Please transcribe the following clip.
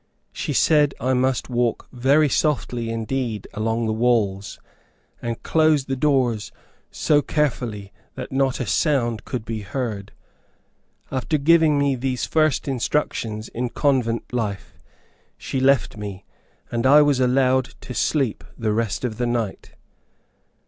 She said I must walk very softly indeed along the halls, and close the doors so carefully that not a sound could be heard. After giving me these first instructions in convent life, she left me, and I was allowed to sleep the rest of the night.